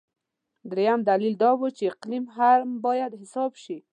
درېیم دلیل دا دی چې اقلیم هم باید حساب شي.